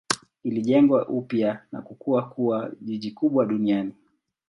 Ilijengwa upya na kukua kuwa jiji kubwa duniani.